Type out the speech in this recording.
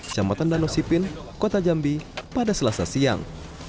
jambatan danosipin kota jambi pada selasa siang